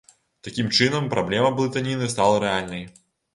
Такім чынам, праблема блытаніны стала рэальнай.